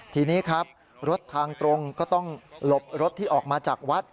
ทีนี้ครับรถทางตรงก็ต้องหลบรถที่ออกมาจากวัด